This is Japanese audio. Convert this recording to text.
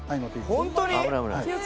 本当に！？